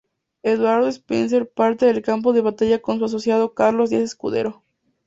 Eduardo Spencer parte al campo de batalla con su asociado Carlos Díaz Escudero.